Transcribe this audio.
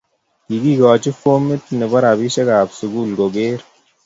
Kikikoch fomit nebo robinikab sukul koker